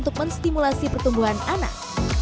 untuk menstimulasi pertumbuhan anak